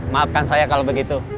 maafkan saya kalau begitu